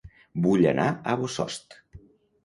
Vull anar a Bossòst